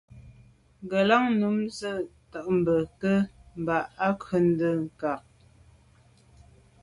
Ŋgə̀lâŋ brʉ́n nǔm sə̂' taba'ké mbá à nkrə̌ ndʉ́ kǎ.